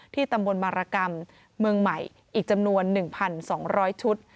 ตำบลมารกรรมเมืองใหม่อีกจำนวน๑๒๐๐ชุด